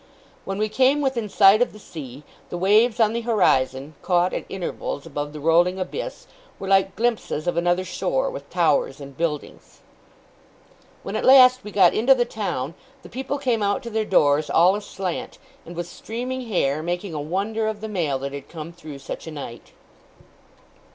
When we came within sight of the sea, the waves on the horizon, caught at intervals above the rolling abyss, were like glimpses of another shore with towers and buildings. When at last we got into the town, the people came out to their doors, all aslant, and with streaming hair, making a wonder of the mail that had come through such a night.